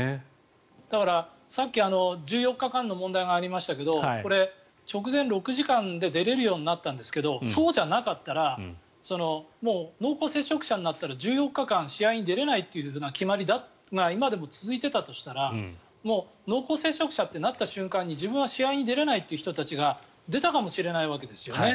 だから、さっき１４日間の問題がありましたがこれ、直前６時間で出られるようになったんですけどそうじゃなかったら濃厚接触者になったら１４日間、試合に出られないという決まりが今でも続いていたとしたらもう濃厚接触者ってなった瞬間に自分は試合に出られないという人が出たかもしれないわけですよね。